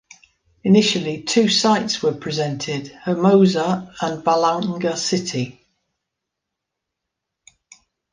Initially, two sites were presented: Hermosa and Balanga City.